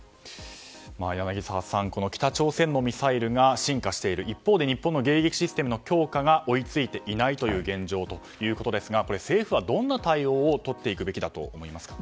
柳澤さん、北朝鮮のミサイルが進化している、一方で日本の迎撃システムの強化が追いついていないという現状ということですが政府はどんな対応を取っていくべきだと思いますか。